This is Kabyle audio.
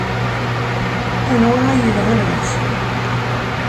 Anwa ay yelhan deg-sen?